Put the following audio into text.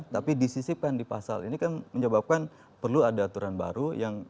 tapi disisipkan di pasal ini kan menyebabkan perlu ada aturan baru yang